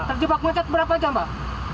terjebak macet berapa jam pak